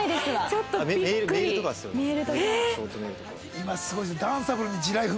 今すごいですね。